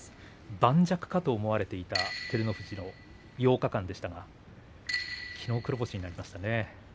盤石かと思われていた照ノ富士の８日間ですがきのう黒星になりましたね。